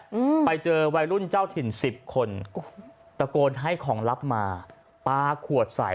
อืมไปเจอวัยรุ่นเจ้าถิ่นสิบคนโอ้โหตะโกนให้ของลับมาปลาขวดใส่